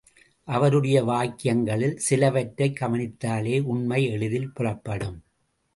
அவருடைய வாக்கியங்களில் சிலவற்றைக் கவனித்தாலே உண்மை எளிதில் புலப்படும்.